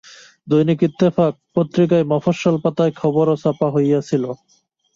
দৈনিক ইত্তেফাক পত্রিকার মফস্বল পাতায় খবরও ছাপা হইয়াছিল।